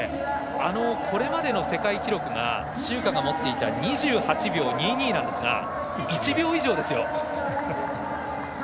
これまでの世界記録が周霞が持っていた２８秒２２なんですが１秒以上ですよ。